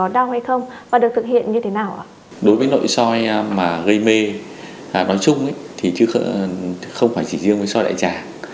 đối với nội soi mà gây mê nói chung thì không phải chỉ riêng với soi đại tràng